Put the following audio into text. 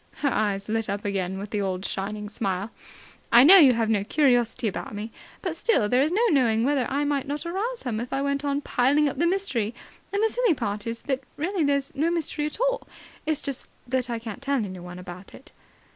Her eyes lit up again with the old shining smile. "I know you have no curiosity about me, but still there's no knowing whether I might not arouse some if I went on piling up the mystery. And the silly part is that really there's no mystery at all. It's just that I can't tell anyone about it."